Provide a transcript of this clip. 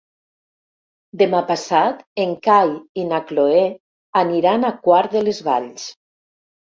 Demà passat en Cai i na Cloè aniran a Quart de les Valls.